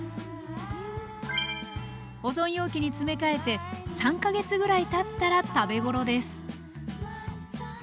保存容器に詰め替えて３か月ぐらいたったら食べごろです